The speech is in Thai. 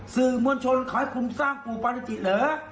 สื่อมวลชนขอให้คุณสร้างปู่ปาริจิเหรอ